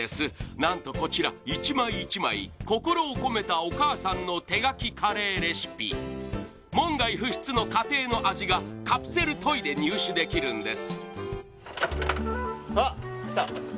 なんとこちら一枚一枚心を込めたお母さんの手書きカレーレシピ門外不出の家庭の味がカプセルトイで入手できるんですあっ来た